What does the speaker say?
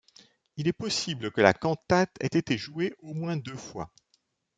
Il est possible que la cantate ait été jouée au moins deux fois.